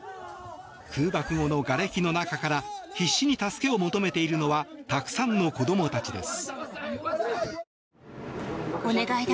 空爆後のがれきの中から必死に助けを求めているのはたくさんの子どもたちです。